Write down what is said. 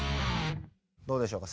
どうでしょうか